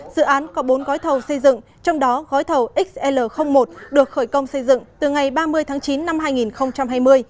dự án có bốn gói thầu xây dựng trong đó gói thầu xl một được khởi công xây dựng từ ngày ba mươi tháng chín năm hai nghìn hai mươi